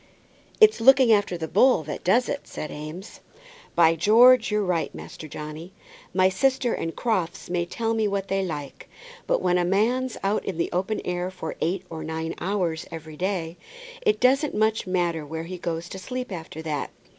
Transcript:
"It's looking after the bull that does it," said Eames. "By George! you're right, Master Johnny. My sister and Crofts may tell me what they like, but when a man's out in the open air for eight or nine hours every day, it doesn't much matter where he goes to sleep after that.